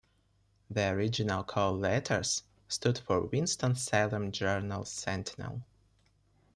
The original call letters stood for Winston-Salem Journal Sentinel.